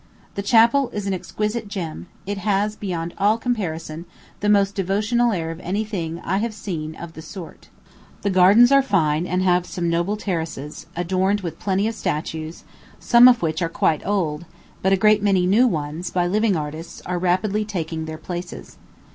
The chapel is an exquisite gem: it has, beyond all comparison, the most devotional air of any thing I have seen of the sort. The gardens are fine, and have some noble terraces, adorned with plenty of statues, some of which are quite old; but a great many new ones, by living artists, are rapidly taking their places.